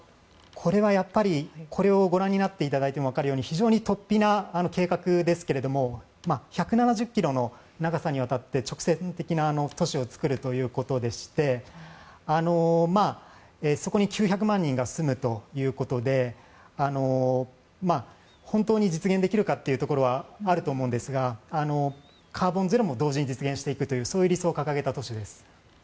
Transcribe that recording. これはこれをご覧になっていただいてもわかるように非常にとっぴな計画ですけれど１７０ｋｍの長さにわたって直線的な都市を作るということでしてそこに９００万人が住むということで本当に実現できるかというところはあると思うんですがカーボンゼロも同時に実現していくというそういう理想を掲げた都市です。